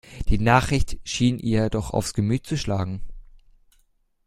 Die Nachricht schien ihr doch aufs Gemüt zu schlagen.